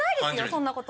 そんなこと。